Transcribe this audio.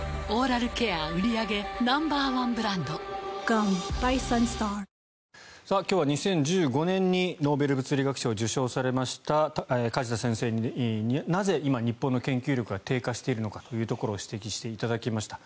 そうなってくるとちょっとそういうごますりをしないと今日は２０１５年にノーベル物理学賞を受賞されました梶田先生になぜ今、日本の研究力が低下しているのかというところを指摘していただきました。